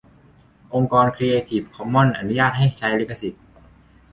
องค์กร ครีเอทีฟ คอมมอนส์ อนุญาตให้ใช้ลิขสิทธิ์